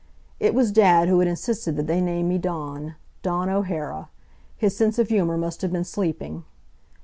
It was Dad who had insisted that they name me Dawn. Dawn O'Hara! His sense of humor must have been sleeping.